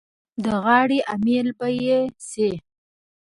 د غاړې امېل به یې شي.